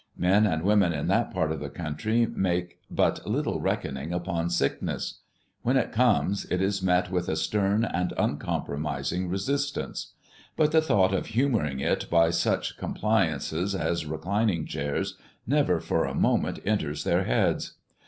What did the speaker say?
Men and women in that part of the country make but little reckoning upon sickness. When it comes, it is met with a stern and uncompromising resistance; but the thought of humoring it by such compliances as reclining chairs never for a moment enters their heads.